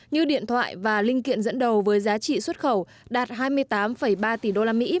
như điện thoại và linh kiện dẫn đầu với giá trị xuất khẩu đạt hai mươi tám ba tỷ usd